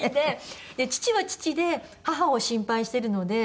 父は父で母を心配してるので。